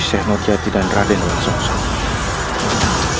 sheikh nurjadi dan raden wakil